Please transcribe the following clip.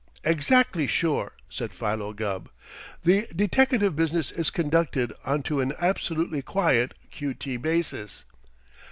"Exactly sure," said Philo Gubb. "The deteckative business is conducted onto an absolutely quiet Q.T. basis."